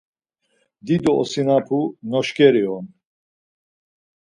Dido osinapu noşǩeri on.